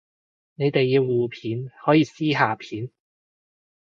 你哋要互片可以私下片